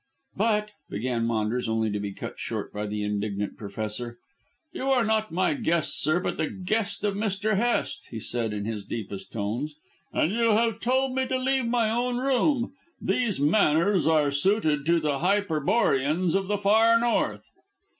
"But " began Maunders, only to be cut short by the indignant Professor. "You are not my guest, sir, but the guest of Mr. Hest," he said in his deepest tones, "and you have told me to leave my own room. These manners are suited to the Hyperboreans of the Far North."